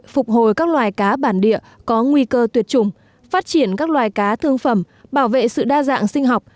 phục hồi các loài cá bản địa có nguy cơ tuyệt chủng phát triển các loài cá thương phẩm bảo vệ sự đa dạng sinh học